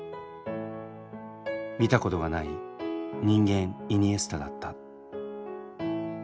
見たことがない人間・イニエスタだった。